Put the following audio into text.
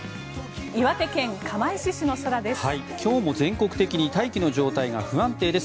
岩手県釜石市の空です。